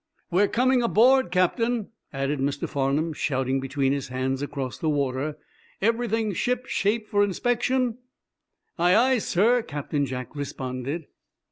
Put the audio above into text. "We're coming aboard, captain," added Mr. Farnum, shouting between his hands, across the water. "Everything ship shape for inspection?" "Aye, aye, sir!" Captain Jack responded.